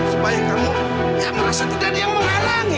supaya kamu ya merasa tidak ada yang menghalangi